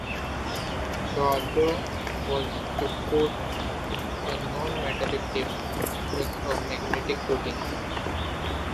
The other was to coat a non-metallic tape with a magnetic coating.